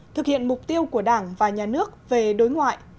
thực hiện mục tiêu của đảng và nhà nước về đối ngoại